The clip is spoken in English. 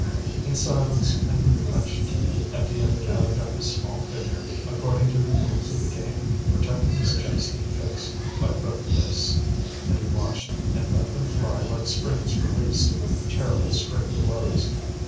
In silence, and with clenched teeth, Étienne gathered up his small figure, according to the rules of the game, protecting his chest and face by both fists; and he watched and let them fly like springs released, with terrible straight blows.